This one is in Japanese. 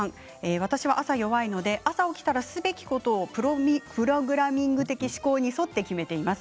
私は朝が弱いのですべきことをプログラミング的思考に沿って決めています。